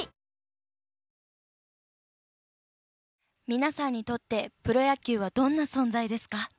皆さんにとってプロ野球は、どんな存在ですか？